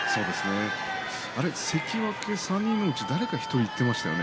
関脇３人のうち誰か言っていましたね